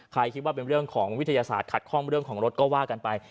คิดว่าเป็นเรื่องของวิทยาศาสตร์ขัดข้องเรื่องของรถก็ว่ากันไป